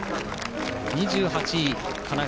２８位、神奈川。